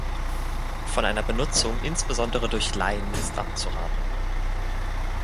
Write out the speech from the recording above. Von einer Benutzung insbesondere durch Laien ist abzuraten.